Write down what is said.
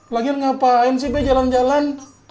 lagian ngapain sih be jalan jalan